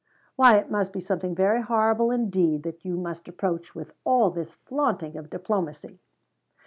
"Why it must be something very horrible indeed, that you must approach with all this flaunting of diplomacy."